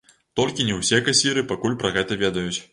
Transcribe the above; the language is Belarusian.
Толькі не ўсе касіры пакуль пра гэта ведаюць.